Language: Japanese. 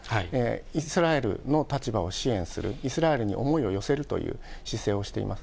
イスラエルの立場を支援する、イスラエルに思いを寄せるという姿勢をしています。